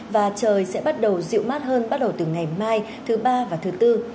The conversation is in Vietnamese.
và trời sẽ bắt đầu dịu mát hơn bắt đầu từ ngày mai thứ ba và thứ bốn